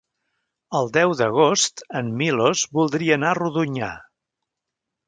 El deu d'agost en Milos voldria anar a Rodonyà.